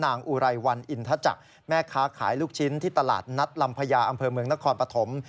อุไรวันอินทจักรแม่ค้าขายลูกชิ้นที่ตลาดนัดลำพญาอำเภอเมืองนครปฐม